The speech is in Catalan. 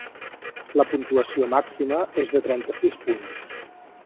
La puntuació màxima és de trenta-sis punts.